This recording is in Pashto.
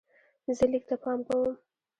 زه لیک ته پام کوم.